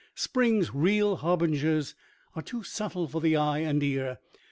Spring's real harbingers are too subtle for the eye and ear.